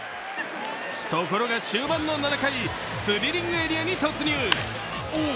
ところが終盤の７回スリリングエリアに突入。